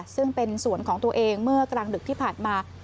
ซึ่งเป็นสวนของตัวเองเมื่อกลางดึกที่ผ่านมา